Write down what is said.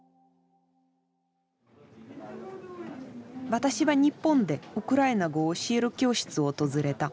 私は日本でウクライナ語を教える教室を訪れた。